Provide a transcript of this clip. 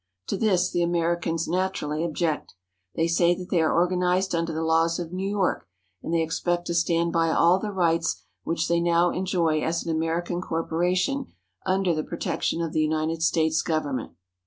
To this the Americans naturally object. They say that they are organized under the laws of New York and they expect to stand by all the rights which they now enjoy as an American corporation under the protection of the United States Government.